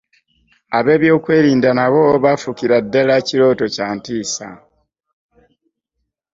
Ab'ebyokwerinda nabo baafuukira ddala kirooto kya ntiisa.